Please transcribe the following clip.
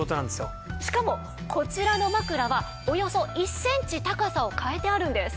しかもこちらの枕はおよそ１センチ高さを変えてあるんです。